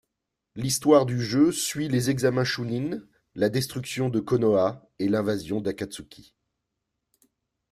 L'Histoire du jeu suit les Examens Chûnins, la Destruction de Konoha et l'Invasion d'Akatsuki.